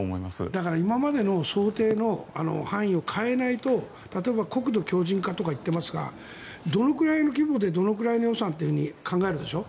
だから、今までの想定の範囲を変えないと例えば国土強じん化とか言っていますがどのくらいの規模でどのくらいの予算と考えるでしょ。